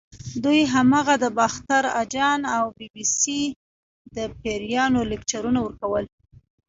دوی هماغه د باختر اجان او بي بي سۍ د پیریانو لیکچرونه ورکول.